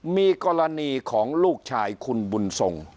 มีกรณีของลูกชายคุณบุญทรง